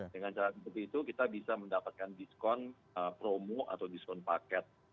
dengan cara seperti itu kita bisa mendapatkan diskon promo atau diskon paket